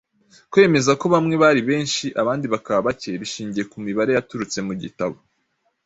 Kwemeza ko bamwe bari benshi abandi bakaba bake bishingiye ku mibare yaturutse mu gitabo